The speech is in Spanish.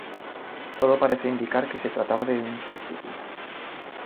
Todo parece indicar que se trataba de un suicidio.